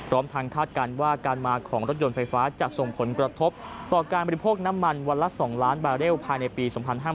พร้อมทางคาดการณ์ว่าการมาของรถยนต์ไฟฟ้าจะส่งผลกระทบต่อการบริโภคน้ำมันวันละ๒ล้านบาเรลภายในปี๒๕๕๙